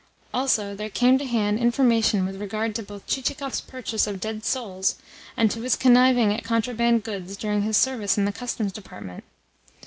Also, there came to hand information with regard both to Chichikov's purchase of dead souls and to his conniving at contraband goods during his service in the Customs Department.